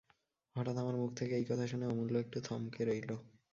হঠাৎ আমার মুখ থেকে এই কথা শুনে অমূল্য একটু থমকে রইল।